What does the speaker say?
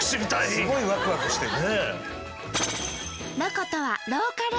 すごいワクワクしてる。